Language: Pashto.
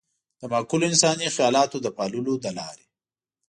د معقولو انساني خيالاتو د پاللو له لارې.